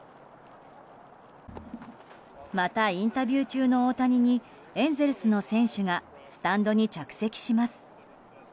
また、インタビュー中の大谷にエンゼルスの選手がスタンドに着席します。